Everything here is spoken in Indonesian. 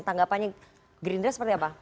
tanggapannya gerindra seperti apa